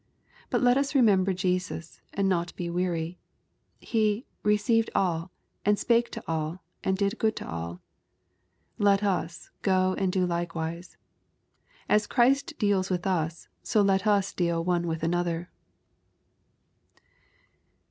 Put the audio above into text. But let us remem ber Jesus, and not be weary. He " received all," spake to all, and did good to all. Let us go and do likewise. As Christ deals with us, so let us deal one with another.